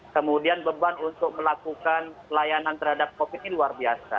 kemudian beban untuk melakukan pelayanan terhadap covid sembilan belas ini luar biasa